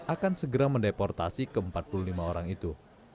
akan segera mendeportasi ke empat puluh lima orang itu